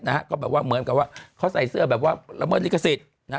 นะฮะก็แบบว่าเหมือนกับว่าเขาใส่เสื้อแบบว่าละเมิดลิขสิทธิ์นะฮะ